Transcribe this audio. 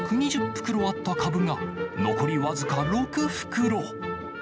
１２０袋あったかぶが、残り僅か６袋。